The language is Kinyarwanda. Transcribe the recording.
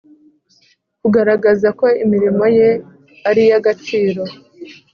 kugaragaza ko imirimo ye ariyagaciro.